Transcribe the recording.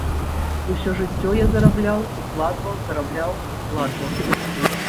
Усё жыццё я зарабляў, укладваў, зарабляў, укладваў.